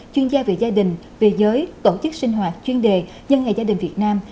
chuyên gia về gia đình về giới tổ chức sinh hoạt chuyên đề nhân ngày gia đình việt nam